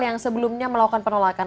yang sebelumnya melakukan penolakan